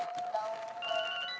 nih ini udah gampang